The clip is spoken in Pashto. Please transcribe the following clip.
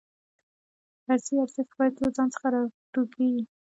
اصلي ارزښت باید له ځان څخه راټوکېږي.